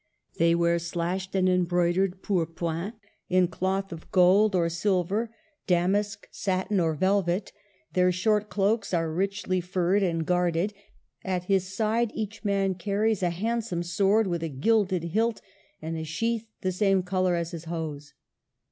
They wear slashed and embroidered pourpoints, in cloth of gold or THE '' heptameron:' 223 silver, damask, satin, or velvet; their short cloaks are richly furred and guarded ; at his side each man carries a handsome sword, with a gilded hilt and a sheath the same color as his hose.